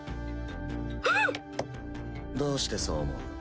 えっ⁉どうしてそう思う？